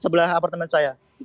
saya sudah berhenti berhenti